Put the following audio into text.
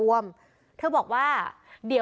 วิทยาลัยศาสตรี